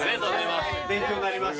勉強になりました。